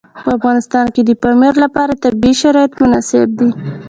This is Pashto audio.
په افغانستان کې د پامیر لپاره طبیعي شرایط مناسب دي.